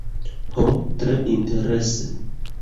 Ho, tre interese